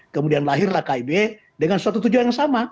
kemudian lahirlah kib dengan suatu tujuan yang sama